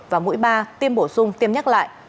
và mũi ba tiêm bổ sung tiêm nhắc lại